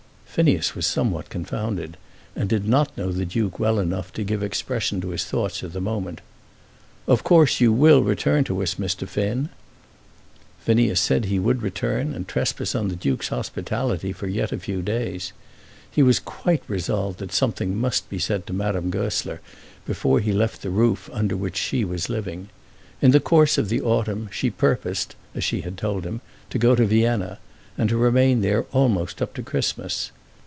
Phineas was somewhat confounded, and did not know the Duke well enough to give expression to his thoughts at the moment. "Of course you will return to us, Mr. Finn." Phineas said that he would return and trespass on the Duke's hospitality for yet a few days. He was quite resolved that something must be said to Madame Goesler before he left the roof under which she was living. In the course of the autumn she purposed, as she had told him, to go to Vienna, and to remain there almost up to Christmas.